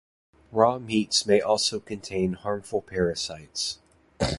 Raw meats may also contain harmful parasites.